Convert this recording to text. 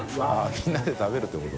みんなで食べるってこと？